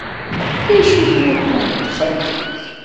D acu-t wuṭṭun n texxamt-ik?